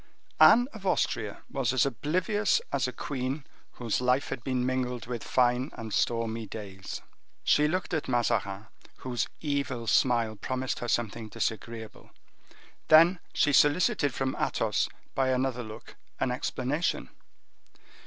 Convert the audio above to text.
Anne of Austria was as oblivious as a queen whose life had been mingled with fine and stormy days. She looked at Mazarin, whose evil smile promised her something disagreeable; then she solicited from Athos, by another look, an explanation.